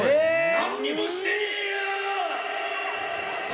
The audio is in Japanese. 何にもしてねえよ！